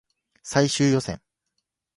最終予選